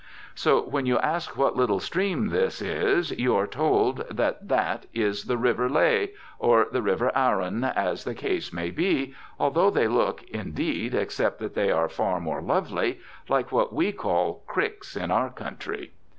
So when you ask what little stream this is, you are told that that is the river Lea, or the river Arun, as the case may be, although they look, indeed, except that they are far more lovely, like what we call "cricks" in our country.